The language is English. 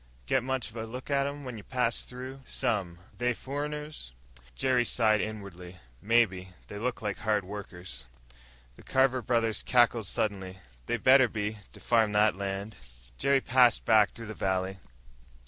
"Get much of a look at 'em when ye passed through?" "Some." "They furriners?" Jerry sighed inwardly. "Maybe. They look like hard workers." The Carver brothers cackled suddenly. "They better be! To farm that land." Jerry passed back through the valley.